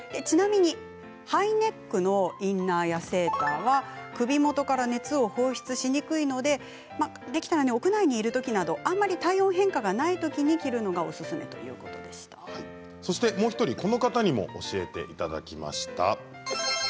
ちなみにハイネックのインナーやセーターは首元から熱を放出しにくいのでできたら屋内にいるときなどあまり体温変化がないときに着るもう１人この方にも教えていただきました。